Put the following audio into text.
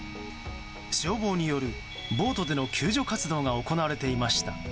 消防によるボートでの救助活動が行われていました。